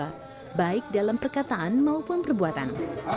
dan juga membuatkan jiwa baik dalam perkataan maupun perbuatan